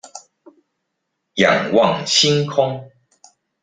仰望星空